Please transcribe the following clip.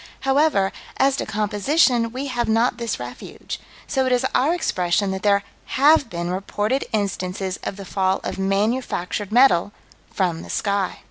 However, as to composition, we have not this refuge, so it is our expression that there have been reported instances of the fall of manufactured metal from the sky.